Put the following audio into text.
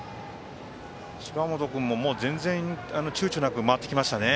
芝本君も、全然ちゅうちょなく回ってきましたね。